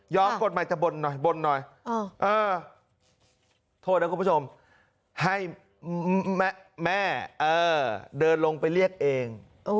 ย้อมกฎใหม่จะบนหน่อยโทษนะคุณผู้ชมให้แม่เดินลงไปเรียกเอง